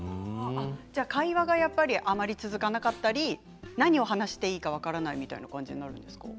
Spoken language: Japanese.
会話がやっぱりあまり続かなかったり何を話していいか分からないみたいな感じになるんですか？